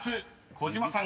児嶋さん